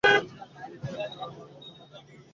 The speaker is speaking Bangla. তিনি পিতাকে হারান এবং তার মা একজন ক্যাথলিককে বিবাহ করেন।